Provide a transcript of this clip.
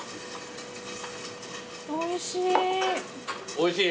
おいしい。